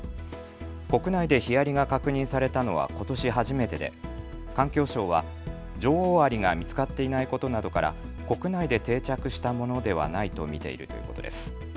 国内でヒアリが確認されたのはことし初めてで環境省は女王アリが見つかっていないことなどから国内で定着したものではないと見ているということです。